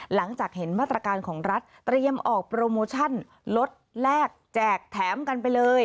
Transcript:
หลังจากเห็นมาตรการของรัฐเตรียมออกโปรโมชั่นลดแลกแจกแถมกันไปเลย